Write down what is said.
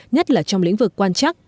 nhất là trong lĩnh vực quan chắc